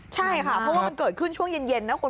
ใช่ค่ะเพราะว่ามันเกิดขึ้นช่วงเย็นนะคุณ